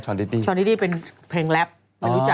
ชอนิตดี้เป็นเพลงแรปไม่รู้จัก